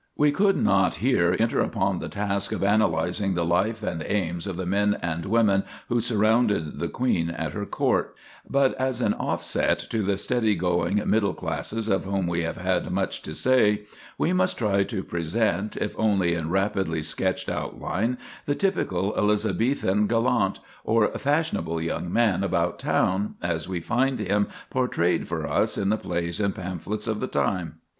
We could not here enter upon the task of analyzing the life and aims of the men and women who surrounded the Queen at her court; but as an offset to the steady going middle classes of whom we have had much to say, we must try to present, if only in rapidly sketched outline, the typical Elizabethan gallant, or fashionable young man about town, as we find him portrayed for us in the plays and pamphlets of the time.